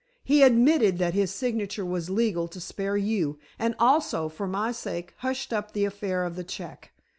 He admitted that his signature was legal to spare you, and also, for my sake, hushed up the affair of the check.